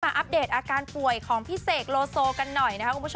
มาอัปเดตอาการป่วยของพี่เสกโลโซกันหน่อย